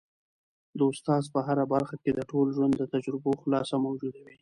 د استاد په هره خبره کي د ټول ژوند د تجربو خلاصه موجوده وي.